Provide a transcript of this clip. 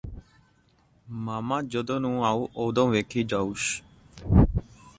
ਮਾਮਾ ਜਦੋਂ ਨੂੰ ਆਊ ਉਦੋਂ ਵੇਖੀ ਜਾਊਸ਼ਸ਼